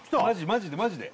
マジでマジで？